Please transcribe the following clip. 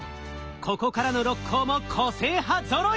ここからの６校も個性派ぞろい！